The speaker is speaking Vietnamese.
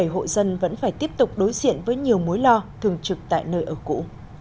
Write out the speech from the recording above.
bảy mươi hộ dân vẫn phải tiếp tục đối diện với nhiều mối lo thường trực tại nơi ở cũ